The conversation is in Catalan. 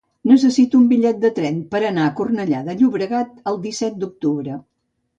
Necessito un bitllet de tren per anar a Cornellà de Llobregat el disset d'octubre.